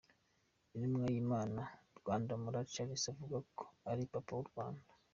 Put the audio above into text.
Intumwa y'Imana Rwandamura Charles uvuga ko ari Papa w'u Rwanda.